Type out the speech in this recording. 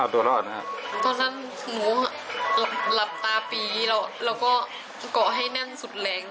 ตอนนั้นหนูหลับตาปีแล้วก็เกาะให้แน่นสุดแรง